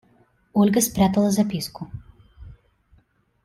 Ольга спрятала записку.